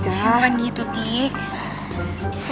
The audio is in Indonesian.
iya bukan gitu tik